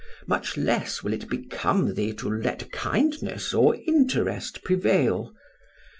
Much less will it become thee to let kindness or interest prevail.